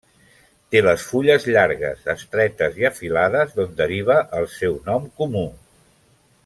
Té les fulles llargues, estretes i afilades d'on deriva el seu nom comú.